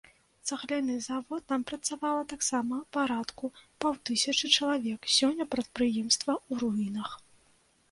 Цагляны завод, там працавала таксама парадку паўтысячы чалавек, сёння прадпрыемства ў руінах.